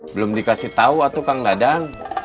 belum dikasih tahu atau kang gadang